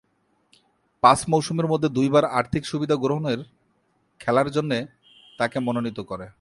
পাঁচ মৌসুমের মধ্যে দুইবার আর্থিক সুবিধা গ্রহণের খেলার জন্যে তাকে মনোনীত করে।